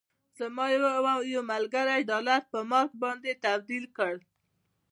زموږ یو ملګري ډالر په مارک باندې تبدیل کړل.